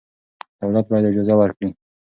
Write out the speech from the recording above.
دولت باید اجازه ورکړي.